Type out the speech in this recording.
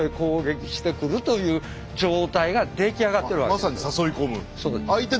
まさに誘い込む？